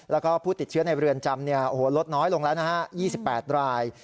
แล้วก็ผู้ติดเชื้อในเรือนจำลดน้อยลงแล้วนะฮะ๒๘ราย